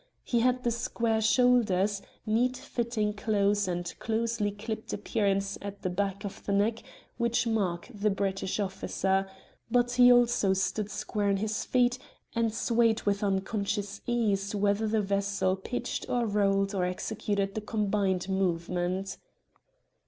He had the square shoulders, neat fitting clothes and closely clipped appearance at the back of the neck which mark the British officer; but he also stood square on his feet and swayed with unconscious ease whether the vessel pitched or rolled or executed the combined movement.